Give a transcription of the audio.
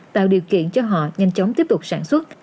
tạo điều kiện cho họ nhanh chóng tiếp tục sản xuất